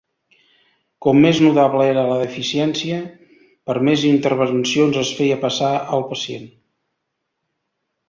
Com més notable era la deficiència, per més intervencions es feia passar al pacient.